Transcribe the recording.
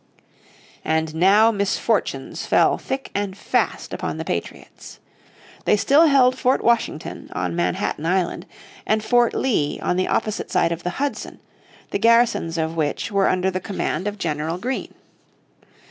And now misfortunes fell thick and fast upon the patriots. They still held Fort Washington on Manhattan Island, and Fort Lee on the opposite side of the Hudson, the garrisons of which were under the command of General Greene.